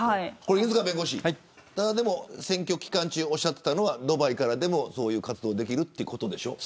犬塚弁護士、選挙期間中におっしゃっていたのはドバイからでも活動はできるということでしょ。